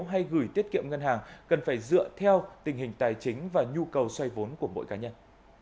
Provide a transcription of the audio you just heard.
hay gửi tiết kiệm ngân hàng cần phải dựa theo tình hình tài chính và nhu cầu xoay vốn của mỗi cá nhân